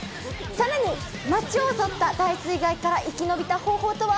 さらに町を襲った大水害から生き延びた方法とは？